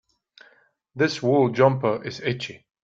This wool jumper is itchy.